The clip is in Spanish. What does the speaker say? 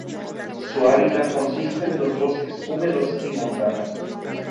Su hábitat consiste de los bosques húmedos y montanos.